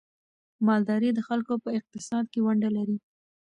مالداري د خلکو په اقتصاد کې ونډه لري.